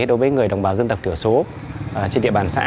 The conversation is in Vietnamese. đối với người đồng bào dân tộc thiểu số trên địa bàn xã